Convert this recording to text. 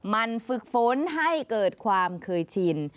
มันฝึกฝนให้เกิดความเคยชิน